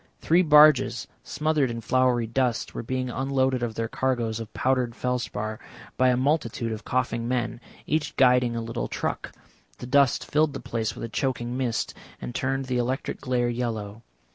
Three barges, smothered in floury dust, were being unloaded of their cargoes of powdered felspar by a multitude of coughing men, each guiding a little truck; the dust filled the place with a choking mist, and turned the electric glare yellow.